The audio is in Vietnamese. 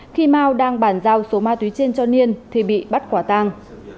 khi mau đang bàn giao số ma túy trên cho niên thì bị bắt quả tang